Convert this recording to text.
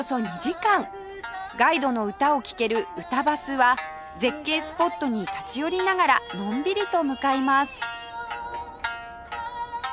ガイドの歌を聴けるうたばすは絶景スポットに立ち寄りながらのんびりと向かいます